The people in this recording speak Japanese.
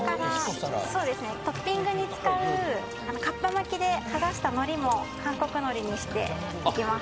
トッピングに使うかっぱ巻きで剥がしたのりも韓国のりにしていきます。